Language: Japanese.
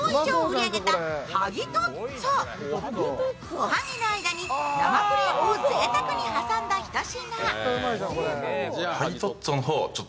おはぎの間に生クリームをぜいたくに挟んだひと品。